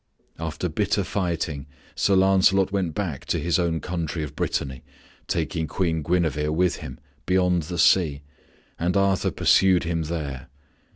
After bitter fighting Sir Lancelot went back to his own country of Brittany, taking Queen Guinevere with him, beyond the sea, and Arthur pursued him there.